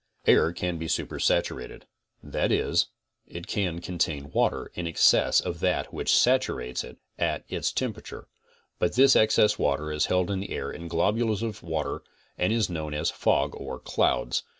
Air can be supersaturated; that is it can contain water in excess of that which saturates it at its temperature, but this excess water is held in the air in globules of water and is known as fog or clouds.